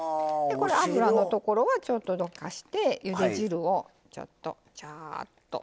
脂のところはちょっとどかしてゆで汁をちょっとジャーッと。